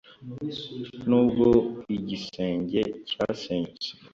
nubwo igisenge cyasenyutse